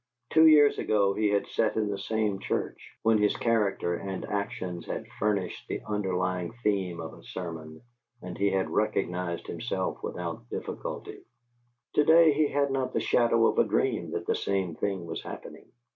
Two years ago he had sat in the same church, when his character and actions had furnished the underlying theme of a sermon, and he had recognized himself without difficulty: to day he had not the shadow of a dream that the same thing was happening.